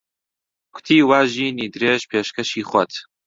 کوتی وا ژینی درێژ پێشکەشی خۆت